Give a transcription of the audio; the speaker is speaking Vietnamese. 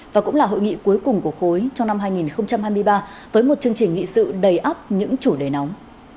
và cũng là hội nghị cuối cùng của khối trong năm hai nghìn hai mươi ba với một chương trình nghị sự đầy ấp những chủ đề nóng